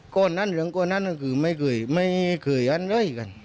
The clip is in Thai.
คนอันจึงคนอันก็ไม่เคยอันเลย